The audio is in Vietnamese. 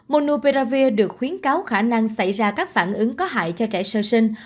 monopiravir được khuyến cáo khả năng xảy ra các phản ứng có hại cho trẻ sơ sinh